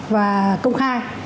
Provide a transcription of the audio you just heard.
và công khai